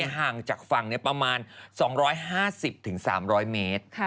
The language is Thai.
ห่างจากฝั่งประมาณ๒๕๐๓๐๐เมตร